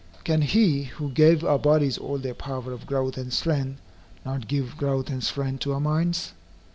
Can He who gave our bodies all their power of growth and strength, not give growth and strength to our minds?